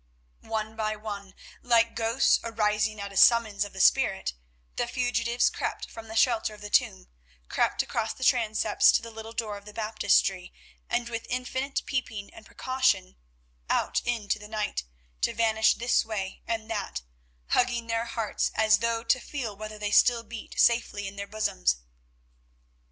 One by one, like ghosts arising at a summons of the Spirit, the fugitives crept from the shelter of the tomb, crept across the transepts to the little door of the baptistery, and with infinite peeping and precaution, out into the night, to vanish this way and that, hugging their hearts as though to feel whether they still beat safely in their bosoms.